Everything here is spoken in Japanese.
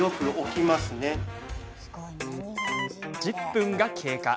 １０分が経過。